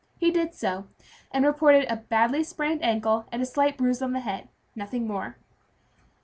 He did so, and reported a badly sprained ankle, and a slight bruise on the head; nothing more.